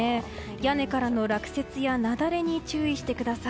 屋根からの落雪や雪崩に注意してください。